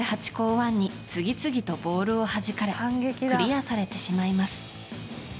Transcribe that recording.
１に次々とボールをはじかれクリアされてしまいます。